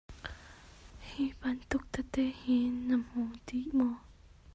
Hi bantuk tete hi na hmu dih maw?